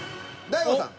大悟さん。